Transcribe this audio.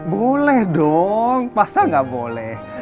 boleh dong pasar gak boleh